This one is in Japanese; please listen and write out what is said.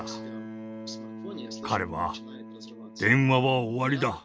彼は「電話は終わりだ。